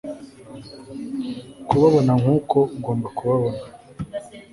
Kukubona nkuko ugomba kubabona